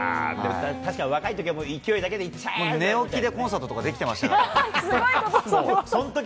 確かに若いときは勢いだけで寝起きでコンサートとかできすごいこと。